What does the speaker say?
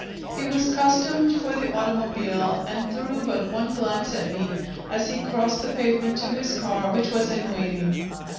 He was costumed for the automobile, and threw but one glance at me as he crossed the pavement to his car, which was in waiting.